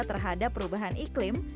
terhadap perubahan iklim